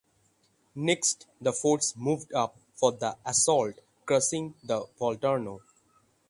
Next the force moved up for the assault crossing of the Volturno.